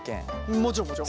もちろんもちろん。